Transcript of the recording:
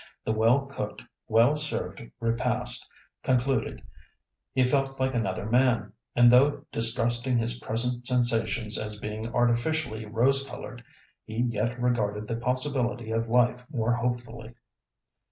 The well cooked, well served repast concluded, he felt like another man; and though distrusting his present sensations as being artificially rose coloured, he yet regarded the possibility of life more hopefully.